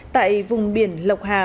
tại vùng biển lộc hà